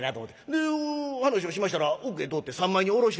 で話をしましたら奥へ通って三枚におろしてくれと」。